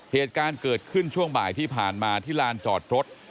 เหตุการณ์เกิดขึ้นช่วงบ่ายที่ผ่านมาที่ลานจอดรถ